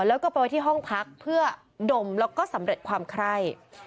แล้วก็ไปไว้ที่ห้องพักเพื่อดมแล้วก็สำเร็จความไคร่